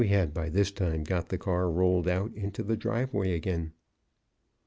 "] (We had, by this time, got the car rolled out into the driveway again.)